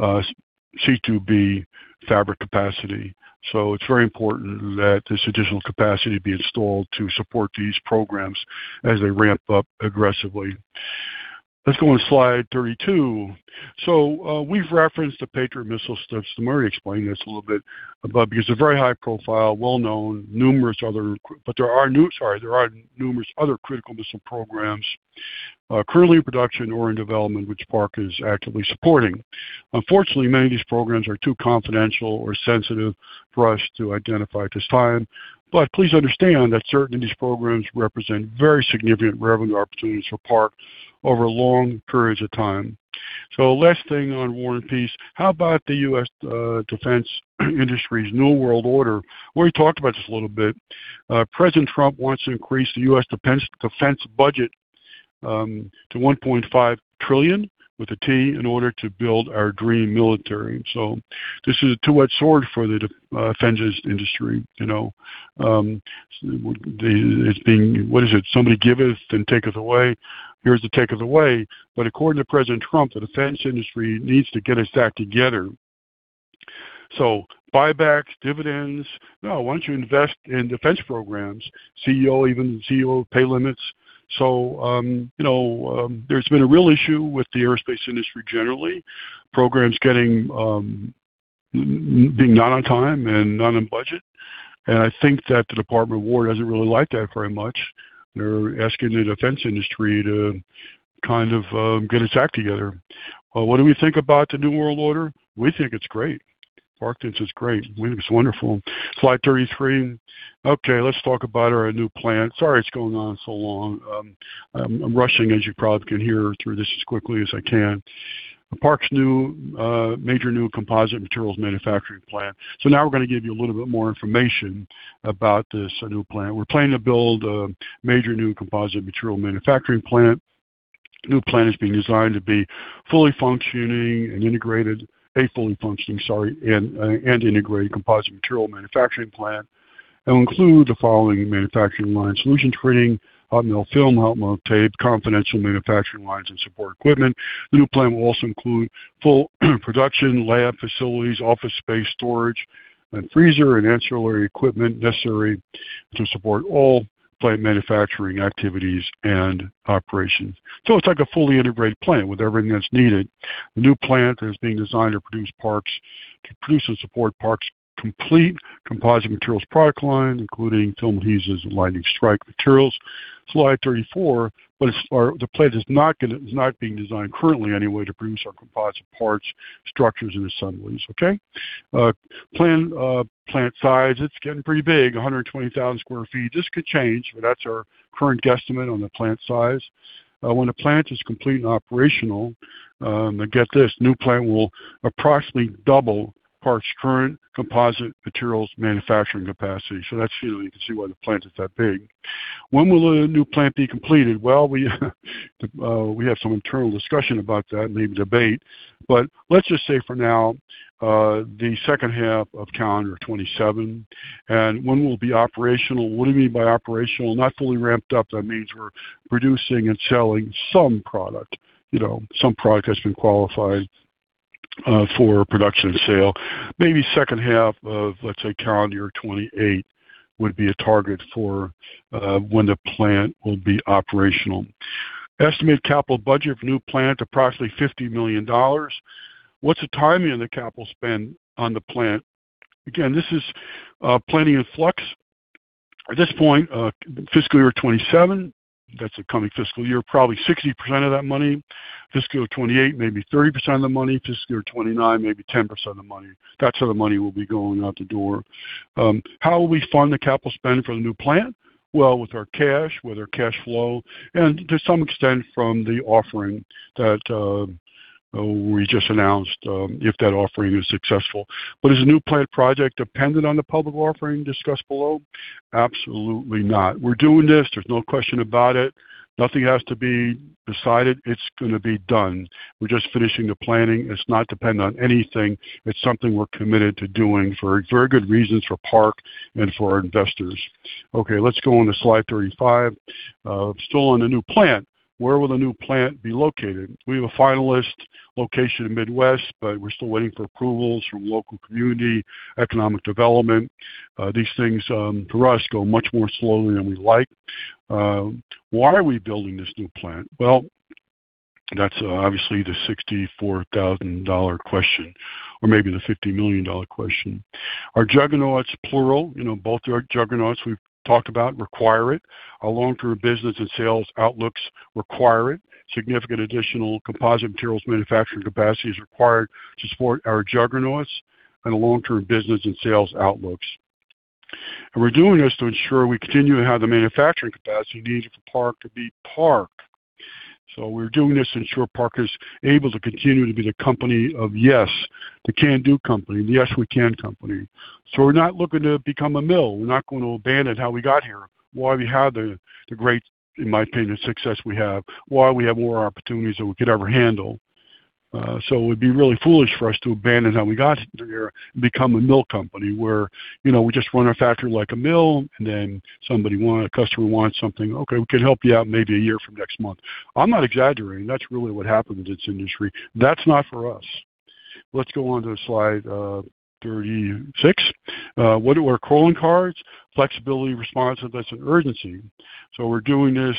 C2B fabric capacity. So it's very important that this additional capacity be installed to support these programs as they ramp up aggressively. Let's go on to slide 32. So we've referenced the Patriot missile systems. I'm already explaining this a little bit above because they're very high profile, well-known, numerous other critical missile programs currently in production or in development, which Park is actively supporting. Unfortunately, many of these programs are too confidential or sensitive for us to identify at this time. But please understand that certain of these programs represent very significant revenue opportunities for Park over long periods of time. So last thing on war and peace. How about the U.S. defense industry's new world order? We already talked about this a little bit. President Trump wants to increase the U.S. defense budget to 1.5 trillion with a T in order to build our dream military. So this is a two-edged sword for the defense industry. It's being, what is it? Somebody give us and take us away. Here's the take us away. But according to President Trump, the defense industry needs to get its act together. So buybacks, dividends. No, why don't you invest in defense programs? CEO, even CEO pay limits. So there's been a real issue with the aerospace industry generally, programs being not on time and not on budget. And I think that the Department of War doesn't really like that very much. They're asking the defense industry to kind of get its act together. What do we think about the new world order? We think it's great. Park thinks it's great. We think it's wonderful. Slide 33. Okay, let's talk about our new plant. Sorry, it's going on so long. I'm rushing, as you probably can hear through this as quickly as I can. Park's new major new composite materials manufacturing plant. So now we're going to give you a little bit more information about this new plant. We're planning to build a major new composite material manufacturing plant. New plant is being designed to be fully functioning and integrated, a fully functioning, sorry, and integrated composite material manufacturing plant. It will include the following manufacturing line: solution screening, hot melt film, hot melt tape, confidential manufacturing lines and support equipment. The new plant will also include full production, lab facilities, office space, storage, and freezer and ancillary equipment necessary to support all plant manufacturing activities and operations. So it's like a fully integrated plant with everything that's needed. The new plant is being designed to produce Park's, to produce and support Park's complete composite materials product line, including film adhesives and lightning strike materials. Slide 34, but the plant is not being designed currently anyway to produce our composite parts, structures, and assemblies. Okay? Plant size, it's getting pretty big, 120,000 sq ft. This could change, but that's our current guesstimate on the plant size. When the plant is complete and operational, and get this, new plant will approximately double Park's current composite materials manufacturing capacity. So that's, you can see why the plant is that big. When will the new plant be completed? We have some internal discussion about that, maybe debate. Let's just say for now, the second half of calendar 2027. When we'll be operational, what do we mean by operational? Not fully ramped up. That means we're producing and selling some product, some product that's been qualified for production and sale. Maybe second half of, let's say, calendar 2028 would be a target for when the plant will be operational. Estimated capital budget for new plant, approximately $50 million. What's the timing of the capital spend on the plant? Again, this is plenty in flux. At this point, fiscal year 2027, that's the coming fiscal year, probably 60% of that money. Fiscal year 2028, maybe 30% of the money. Fiscal year 2029, maybe 10% of the money. That's how the money will be going out the door. How will we fund the capital spend for the new plant? Well, with our cash, with our cash flow, and to some extent from the offering that we just announced, if that offering is successful. But is a new plant project dependent on the public offering discussed below? Absolutely not. We're doing this. There's no question about it. Nothing has to be decided. It's going to be done. We're just finishing the planning. It's not dependent on anything. It's something we're committed to doing for very good reasons for Park and for our investors. Okay, let's go on to slide 35. Still on the new plant. Where will the new plant be located? We have a finalist location in Midwest, but we're still waiting for approvals from local community, economic development. These things for us go much more slowly than we like. Why are we building this new plant? That's obviously the $64,000 question, or maybe the $50 million question. Our Juggernauts plural, both our Juggernauts we've talked about require it. Our long-term business and sales outlooks require it. Significant additional composite materials manufacturing capacity is required to support our Juggernauts and long-term business and sales outlooks. We're doing this to ensure we continue to have the manufacturing capacity needed for Park to be Park. We're doing this to ensure Park is able to continue to be The Company of Yes, the can-do company, the yes-we-can company. We're not looking to become a mill. We're not going to abandon how we got here. Why we have the great, in my opinion, success we have. Why we have more opportunities than we could ever handle. So it would be really foolish for us to abandon how we got here and become a mill company where we just run our factory like a mill, and then somebody, a customer wants something. Okay, we can help you out maybe a year from next month. I'm not exaggerating. That's really what happened in this industry. That's not for us. Let's go on to slide 36. What are our calling cards? Flexibility, responsiveness, and urgency. So we're doing this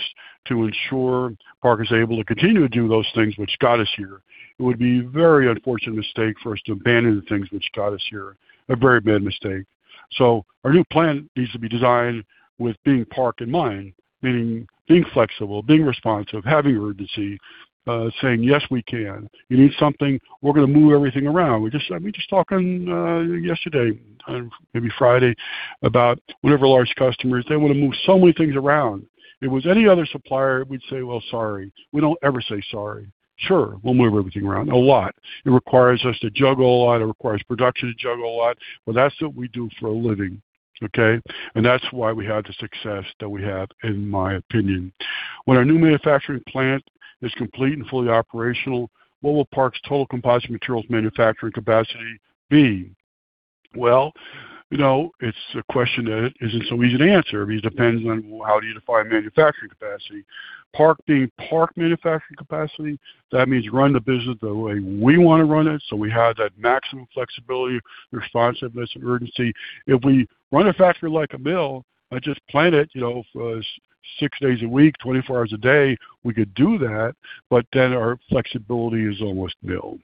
to ensure Park is able to continue to do those things which got us here. It would be a very unfortunate mistake for us to abandon the things which got us here. A very bad mistake. So our new plant needs to be designed with being Park in mind, meaning being flexible, being responsive, having urgency, saying, "Yes, we can." You need something. We're going to move everything around. We just talked yesterday, maybe Friday, about whatever large customers, they want to move so many things around. If it was any other supplier, we'd say, "Well, sorry." We don't ever say sorry. Sure, we'll move everything around. A lot. It requires us to juggle a lot. It requires production to juggle a lot. But that's what we do for a living. Okay? And that's why we have the success that we have, in my opinion. When our new manufacturing plant is complete and fully operational, what will Park's total composite materials manufacturing capacity be? Well, it's a question that isn't so easy to answer. It depends on how do you define manufacturing capacity. Park being Park manufacturing capacity, that means run the business the way we want to run it so we have that maximum flexibility, responsiveness, and urgency. If we run a factory like a mill, I just plan it six days a week, 24 hours a day, we could do that, but then our flexibility is almost nil.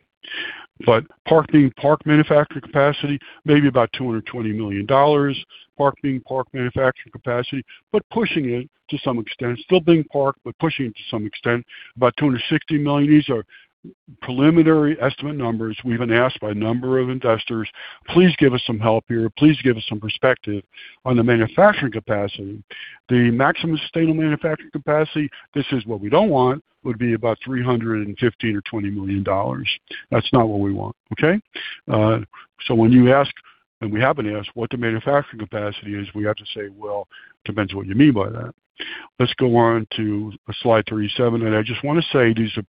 But Park being Park manufacturing capacity, maybe about $220 million. Park being Park manufacturing capacity, but pushing it to some extent, still being Park, but pushing it to some extent, about $260 million. These are preliminary estimate numbers we've been asked by a number of investors. Please give us some help here. Please give us some perspective on the manufacturing capacity. The maximum sustainable manufacturing capacity, this is what we don't want, would be about $315 million or $320 million. That's not what we want. Okay? So when you ask, and we haven't asked what the manufacturing capacity is, we have to say, "Well, it depends on what you mean by that." Let's go on to slide 37. And I just want to say these are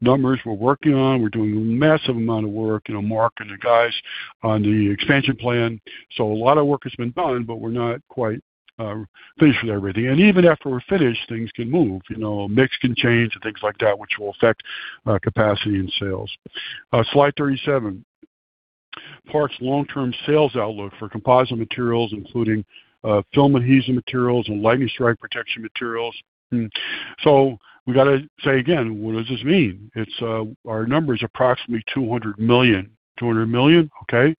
numbers we're working on. We're doing a massive amount of work, Mark and the guys on the expansion plan. So a lot of work has been done, but we're not quite finished with everything. And even after we're finished, things can move. Mix can change and things like that, which will affect capacity and sales. Slide 37. Park's long-term sales outlook for composite materials, including film adhesive materials and lightning strike protection materials. So we got to say again, what does this mean? Our number is approximately 200 million. 200 million. Okay?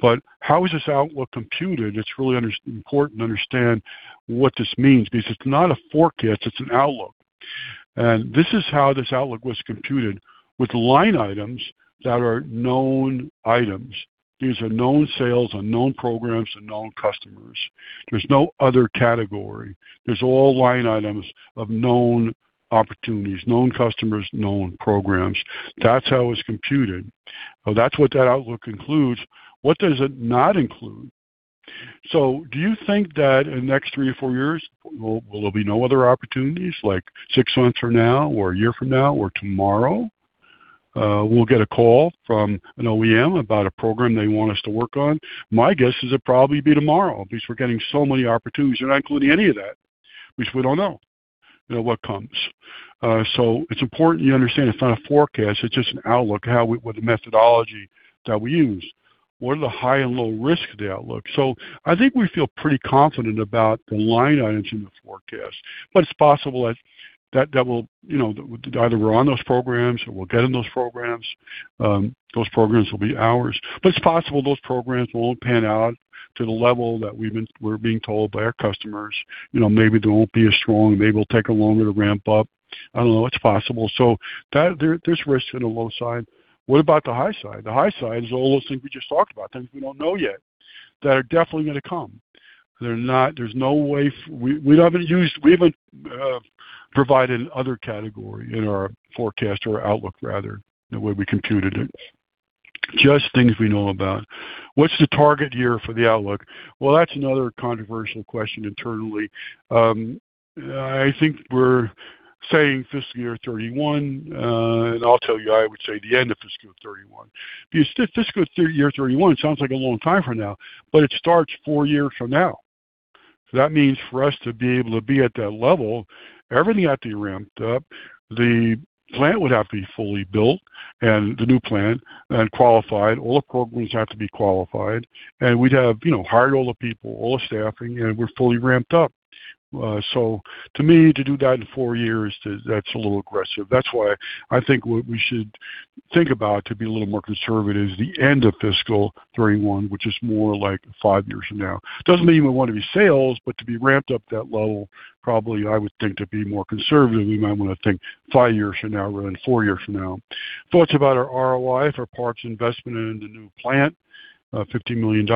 But how is this outlook computed? It's really important to understand what this means because it's not a forecast. It's an outlook. And this is how this outlook was computed. With line items that are known items. These are known sales, unknown programs, unknown customers. There's no other category. There's all line items of known opportunities, known customers, known programs. That's how it's computed. That's what that outlook includes. What does it not include? So do you think that in the next 3-4 years, will there be no other opportunities like six months from now or a year from now or tomorrow? We'll get a call from an OEM about a program they want us to work on. My guess is it'll probably be tomorrow because we're getting so many opportunities. They're not including any of that, which we don't know what comes. So it's important you understand it's not a forecast. It's just an outlook of how with the methodology that we use. What are the high and low risk of the outlook? So I think we feel pretty confident about the line items in the forecast. But it's possible that we'll either be on those programs or we'll get in those programs. Those programs will be ours. But it's possible those programs won't pan out to the level that we're being told by our customers. Maybe they won't be as strong. Maybe it'll take them longer to ramp up. I don't know. It's possible. So there's risk on the low side. What about the high side? The high side is all those things we just talked about, things we don't know yet that are definitely going to come. There's no way. We don't even use. We haven't provided another category in our forecast or outlook, rather, the way we computed it. Just things we know about. What's the target year for the outlook? Well, that's another controversial question internally. I think we're saying fiscal year 2031. And I'll tell you, I would say the end of fiscal year 2031. Fiscal year 2031 sounds like a long time from now, but it starts four years from now. That means for us to be able to be at that level, everything has to be ramped up. The plant would have to be fully built and the new plant and qualified. All the programs have to be qualified. And we'd have hired all the people, all the staffing, and we're fully ramped up. So to me, to do that in four years, that's a little aggressive. That's why I think what we should think about to be a little more conservative is the end of fiscal 2031, which is more like five years from now. Doesn't mean we want to be sales, but to be ramped up that level. Probably I would think to be more conservative, we might want to think five years from now, rather than four years from now. Thoughts about our ROI for Park's investment in the new plant, $50 million.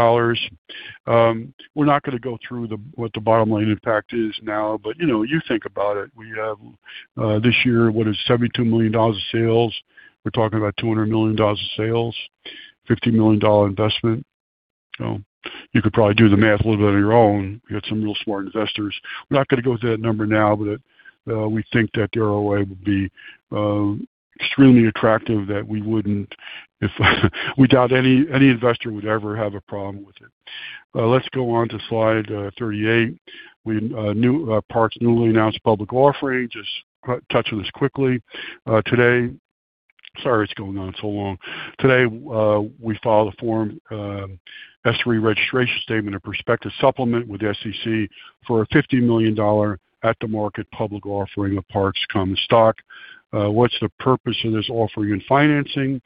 We're not going to go through what the bottom line impact is now, but you think about it. We have this year, what is $72 million of sales. We're talking about $200 million of sales, $50 million investment. You could probably do the math a little bit on your own. We got some real smart investors. We're not going to go to that number now, but we think that the ROI would be extremely attractive that we wouldn't if we doubt any investor would ever have a problem with it. Let's go on to slide 38. Park's newly announced public offering. Just touch on this quickly. Today, sorry, it's going on so long. Today, we filed a Form S-3 registration statement and prospectus supplement with the SEC for a $50 million at-the-market public offering of Park's common stock. What's the purpose of this offering and financing?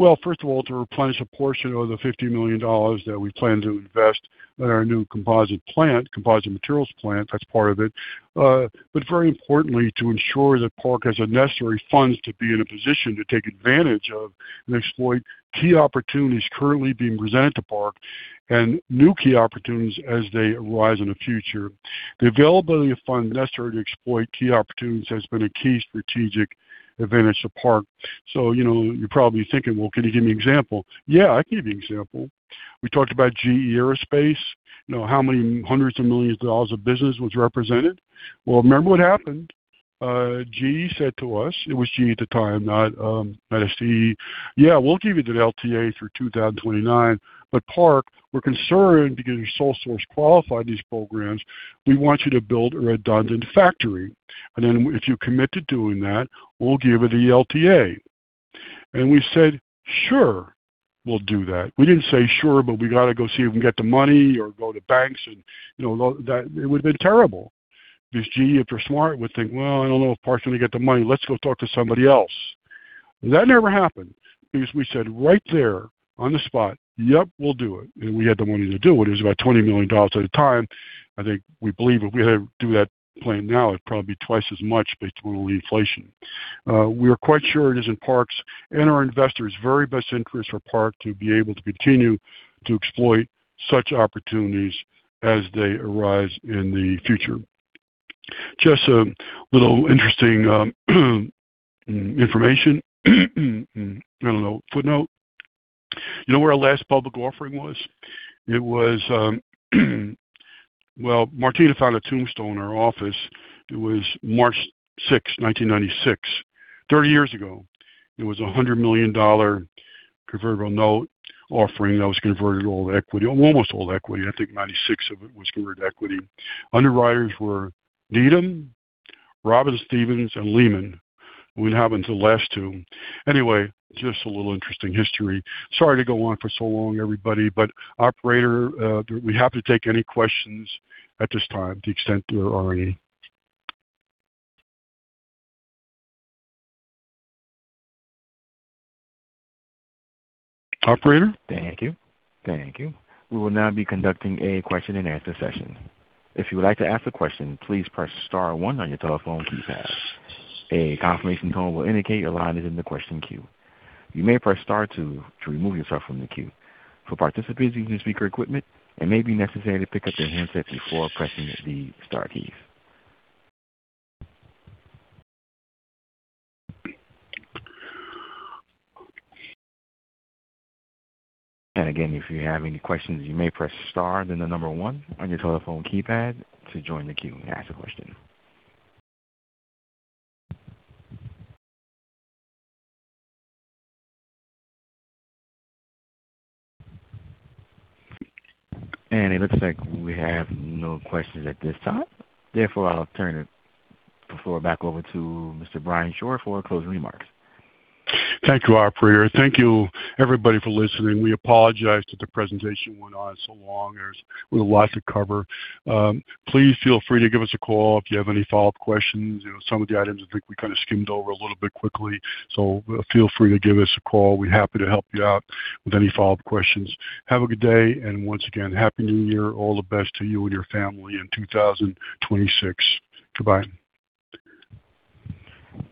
Well, first of all, to replenish a portion of the $50 million that we plan to invest in our new composite plant, composite materials plant. That's part of it. But very importantly, to ensure that Park has the necessary funds to be in a position to take advantage of and exploit key opportunities currently being presented to Park and new key opportunities as they arise in the future. The availability of funds necessary to exploit key opportunities has been a key strategic advantage to Park. So you're probably thinking, "Well, can you give me an example?" Yeah, I can give you an example. We talked about GE Aerospace. How many hundreds of millions of dollars of business was represented? Well, remember what happened? GE said to us, it was GE at the time, not STE. "Yeah, we'll give you the LTA through 2029. But Park, we're concerned because you're sole source qualified in these programs. We want you to build a redundant factory. And then if you commit to doing that, we'll give it the LTA." And we said, "Sure, we'll do that." We didn't say, "Sure, but we got to go see if we can get the money or go to banks." And it would have been terrible. Because GE, if they're smart, would think, "Well, I don't know if Park's going to get the money. Let's go talk to somebody else." That never happened because we said right there on the spot, "Yep, we'll do it." And we had the money to do it. It was about $20 million at the time. I think we believe if we had to do that plan now, it'd probably be twice as much based on inflation. We are quite sure it is in Park's and our investors' very best interest for Park to be able to continue to exploit such opportunities as they arise in the future. Just a little interesting information. I don't know. Footnote. You know where our last public offering was? It was, well, Martina found a tombstone in our office. It was March 6th, 1996, 30 years ago. It was a $100 million convertible note offering that was converted to all equity, almost all equity. I think 96% of it was converted to equity. Underwriters were Needham, Robertson Stephens, and Lehman. We happened to outlast two. Anyway, just a little interesting history. Sorry to go on for so long, everybody. But operator, we happy to take any questions at this time, to the extent there are any. Operator? Thank you. We will now be conducting a question-and-answer session. If you would like to ask a question, please press star one on your telephone keypad. A confirmation tone will indicate your line is in the question queue. You may press star two to remove yourself from the queue. For participants using speaker equipment, it may be necessary to pick up your handset before pressing the star keys. And again, if you have any questions, you may press star and then the number one on your telephone keypad to join the queue and ask a question. It looks like we have no questions at this time. Therefore, I'll turn the floor back over to Mr. Brian Shore for closing remarks. Thank you, Operator. Thank you, everybody, for listening. We apologize that the presentation went on so long. There's a lot to cover. Please feel free to give us a call if you have any follow-up questions. Some of the items I think we kind of skimmed over a little bit quickly. So feel free to give us a call. We're happy to help you out with any follow-up questions. Have a good day, and once again, Happy New Year. All the best to you and your family in 2026. Goodbye.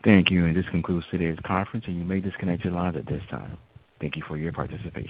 Thank you. This concludes today's conference, and you may disconnect your lines at this time. Thank you for your participation.